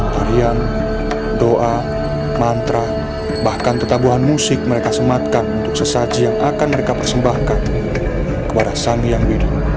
tarian doa mantra bahkan tetabuhan musik mereka sematkan untuk sesaji yang akan mereka persembahkan kepada sang yang biru